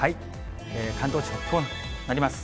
関東地方、こうなります。